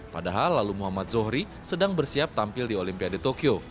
padahal lalu muhammad zohri sedang bersiap tampil di olimpiade tokyo